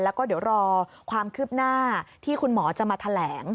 แล้วก็เดี๋ยวรอความคืบหน้าที่คุณหมอจะมาแถลง